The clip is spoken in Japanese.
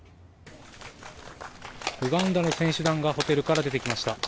ウガンダの選手団がホテルから出てきました。